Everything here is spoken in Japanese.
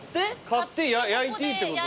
買って焼いていいってことだ。